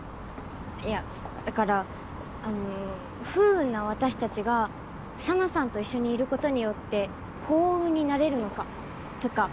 いやだからあの不運な私たちが紗菜さんと一緒にいることによって幸運になれるのかとか。